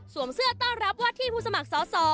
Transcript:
เสื้อต้อนรับว่าที่ผู้สมัครสอสอ